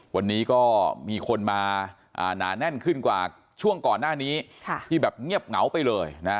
วันนี้ก็มีคนมาหนาแน่นขึ้นกว่าช่วงก่อนหน้านี้ที่แบบเงียบเหงาไปเลยนะ